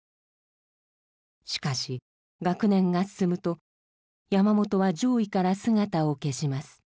しかし学年が進むと山本は上位から姿を消します。